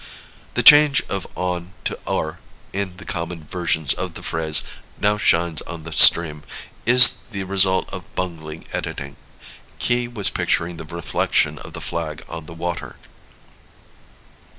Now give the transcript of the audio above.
The change of "on" to "o'er" in the common versions of the phrase "now shines on the stream" is the result of bungling editing. Key was picturing the reflection of the flag on the water.